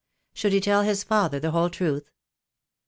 Should he tell his father the whole truth?